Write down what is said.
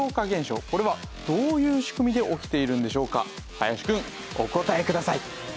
林くんお答えください。